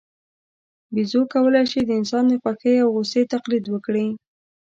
بیزو کولای شي د انسان د خوښۍ او غوسې تقلید وکړي.